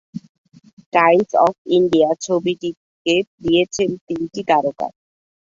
Times of India ছবিটিকে দিয়েছেন তিনটি তারকা।